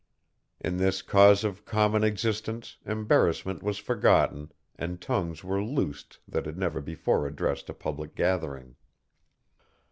In this cause of common existence embarrassment was forgotten and tongues were loosed that had never before addressed a public gathering.